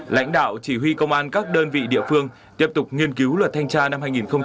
lãnh đạo chỉ huy công an các đơn vị địa phương tiếp tục nghiên cứu luật thanh tra năm hai nghìn hai mươi ba